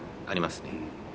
ありますね。